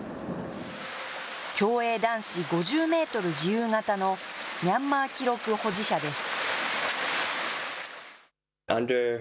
競泳男子５０メートル自由形のミャンマー記録保持者です。